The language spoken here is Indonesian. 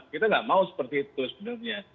kita nggak mau seperti itu sebenarnya